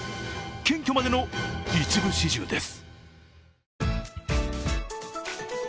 謙虚までの一部始終です。